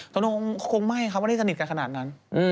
โตโน่คงไม่ว่าจะนิดกันขนาดนั้น